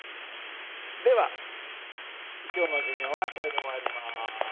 では今日の授業はこれで終わります。